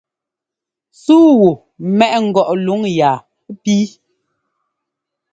Súu wu mɛʼ ngɔʼ luŋ yaa píi.